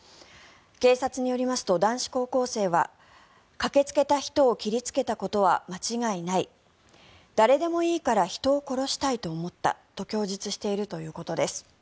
警察によりますと、男子高校生は駆けつけた人を切りつけたことは間違いない誰でもいいから人を殺したいと思ったと供述しているということです。